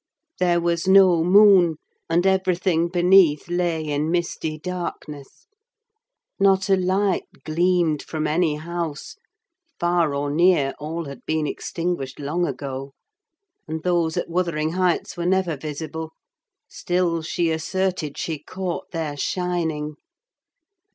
There was no moon, and everything beneath lay in misty darkness: not a light gleamed from any house, far or near; all had been extinguished long ago: and those at Wuthering Heights were never visible—still she asserted she caught their shining.